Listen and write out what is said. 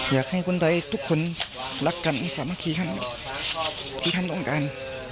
อยากให้ทุกคนรักกันสามัคคีที่ท่านต้องการ